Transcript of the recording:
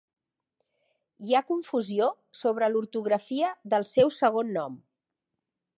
Hi ha confusió sobre l'ortografia del seu segon nom.